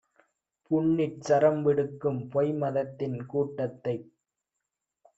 புண்ணிற் சரம்விடுக்கும் பொய்மதத்தின் கூட்டத்தைக்